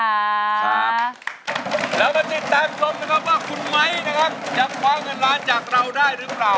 แล้วก็ติดตามสมนะครับว่าคุณไม้จะพ้าเงินล้านจากเราได้หรือเปล่า